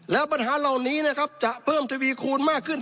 แล้วปัญหาเหล่านี้นะครับจะเพิ่มทวีคูณมากขึ้น